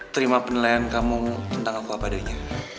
terima penilaian kamu tentang aku apa adanya